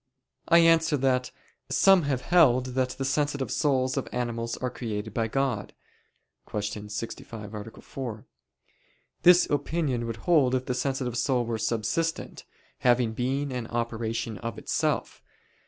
I answer that, Some have held that the sensitive souls of animals are created by God (Q. 65, A. 4). This opinion would hold if the sensitive soul were subsistent, having being and operation of itself.